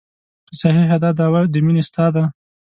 که صحیحه دا دعوه د مینې ستا ده.